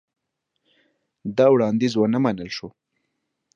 دا وړاندیز ونه منل شو.